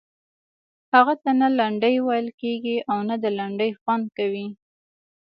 هغه ته نه لنډۍ ویل کیږي او نه د لنډۍ خوند کوي.